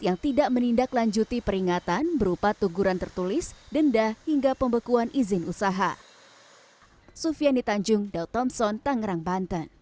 yang tidak menindaklanjuti peringatan berupa tuguran tertulis denda hingga pembekuan izin usaha